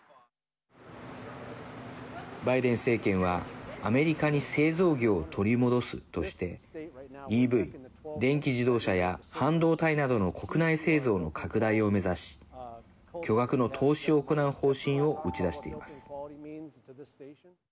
バイデン政権は、アメリカに製造業を取り戻すとしてＥＶ＝電気自動車や半導体などの国内製造の拡大を目指し巨額の投資を行う方針を打ち出しています。